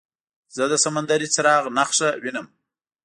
زه د سمندري څراغ نښه وینم.